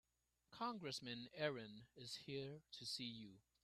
Congressman Aaron is here to see you.